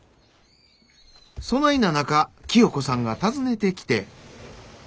そないな中清子さんが訪ねてきて。